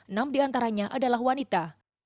enam diantaranya adalah wanita